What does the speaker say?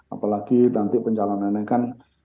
apalagi nanti pencalonannya kan